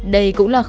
đây cũng là khả năng